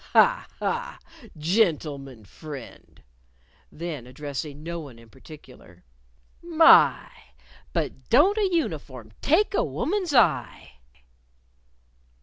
"Ha! ha! Gentleman friend!" Then, addressing no one in particular, "My! but don't a uniform take a woman's eye!"